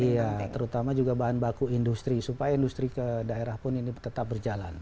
iya terutama juga bahan baku industri supaya industri ke daerah pun ini tetap berjalan